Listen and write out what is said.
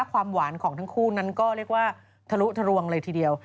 ความหวานของทั้งคู่นั้นก็เรียกว่าทะลุทะรวงเลยทีเดียว